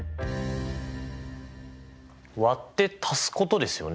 「和」って足すことですよね。